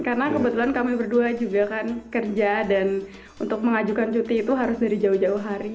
karena kebetulan kami berdua juga kan kerja dan untuk mengajukan cuti itu harus dari jauh jauh hari